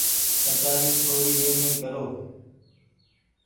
ڪچآري ٿوڙي نيني ڪرو۔